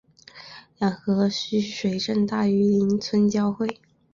两河在须水镇大榆林村交汇。